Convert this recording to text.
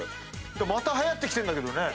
またはやってきてるんだけどね。